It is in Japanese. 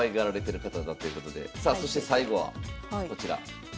さあそして最後はこちら。